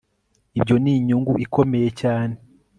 Ibyo ni inyungu ikomeye cyane